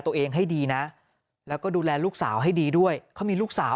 ตัวเองให้ดีนะแล้วก็ดูแลลูกสาวให้ดีด้วยเขามีลูกสาว